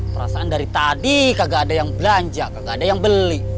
perasaan dari tadi kagak ada yang belanja kagak ada yang beli